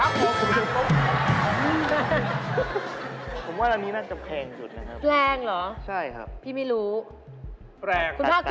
ตัวเงินรางวัลของเขานะคะแต่ว่าในตัววิเคราะห์ก็